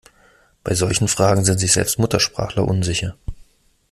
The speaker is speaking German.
Bei solchen Fragen sind sich selbst Muttersprachler unsicher.